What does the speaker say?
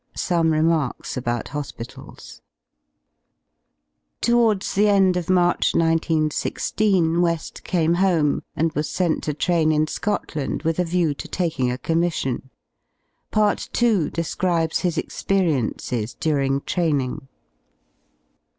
§Some remarks about hospitalsi Towards the end of March 1 9 1 6 WeH came home, and was sent to tram m Scotland with a view to taking a commission. Part II. describes his experiences during training.